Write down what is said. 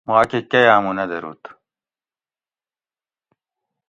ماکہ کئی ہاۤمو نہ دۤھروت